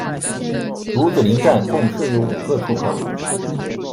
竹子林站共设有五个出口。